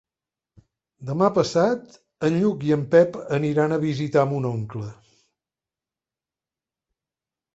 Demà passat en Lluc i en Pep aniran a visitar mon oncle.